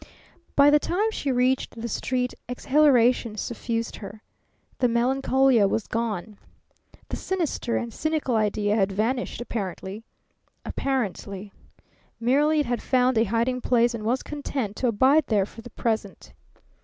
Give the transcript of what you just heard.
By the time she reached the street exhilaration suffused her. The melancholia was gone. The sinister and cynical idea had vanished apparently. Apparently. Merely it had found a hiding place and was content to abide there for the present.